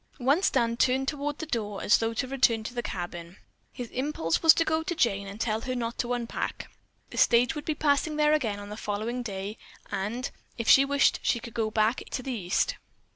Once Dan turned toward the door as though to return to the cabin. His impulse was to go to Jane and tell her not to unpack. The stage would be passing there again on the following day, and, if she wished she could go back to the East.